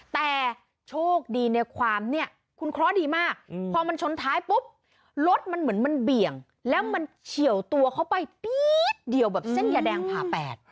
แต่โชคดีในความเนี่ยคุณเคราะห์ดีมากพอมันชนท้ายปุ๊บรถมันเหมือนมันเบี่ยงแล้วมันเฉียวตัวเขาไปปี๊ดเดียวแบบเส้นยาแดงผ่าแปด